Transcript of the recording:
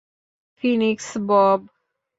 Phoenix, Bob.